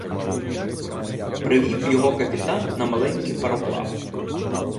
Привів його капітан на маленький пароплав.